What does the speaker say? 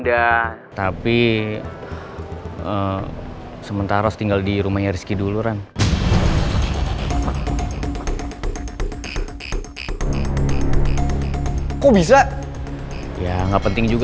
dengar nggak sih kamu pangeran